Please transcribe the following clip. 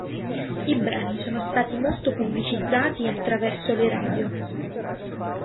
I brani sono stati molto pubblicizzati attraverso le radio.